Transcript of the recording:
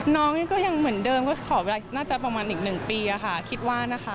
น้องก็ยังเหมือนเดิมก็ขอเวลาทำให้น่าจะประมาณ๑ปีคิดว่านะคะ